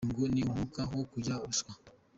Uyu ngo ni umwuka wo kurya ruswa.